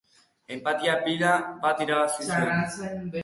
Enpatia pila bat irabazi nuen.